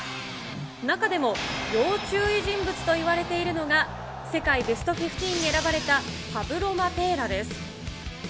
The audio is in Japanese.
中でも、要注意人物といわれているのが、世界ベストフィフティーンに選ばれたパブロ・マテーラです。